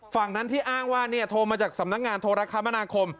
ฝั่งนั้นที่อ้างว่าโทรมาจากสำนักงานโทรคมนาคม